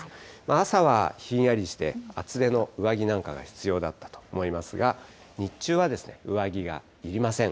朝はひんやりして厚手の上着なんかが必要だったと思いますが、日中は上着がいりません。